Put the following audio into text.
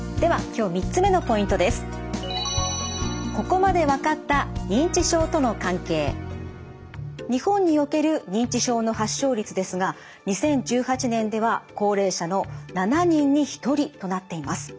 日本における認知症の発症率ですが２０１８年では高齢者の７人に１人となっています。